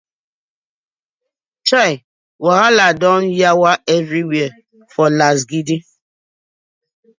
Chei, wahala don yawa everywhere for lasgidi.